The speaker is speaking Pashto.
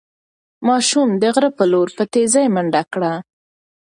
ماشوم د غره په لور په تېزۍ منډه کړه.